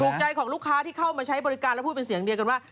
ถูกใจของลูกค้าที่เข้ามาใช้บริการแล้วพูดเป็นเสียงเดียวกันว่า